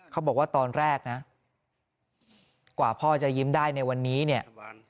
เขาบอกว่าตอนแรกนะกว่าพ่อจะยิ้มได้ในวันนี้เนี่ย